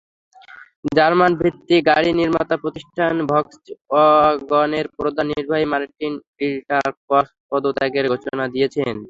জার্মানভিত্তিক গাড়ি নির্মাতা প্রতিষ্ঠান ভক্সওয়াগনের প্রধান নির্বাহী মার্টিন ভিন্টারকর্ন পদত্যাগের ঘোষণা দিয়েছেন।